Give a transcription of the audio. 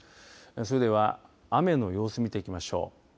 それでは雨の様子見ていきましょう。